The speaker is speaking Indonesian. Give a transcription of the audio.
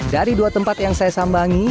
dari dua tempat yang saya sambangi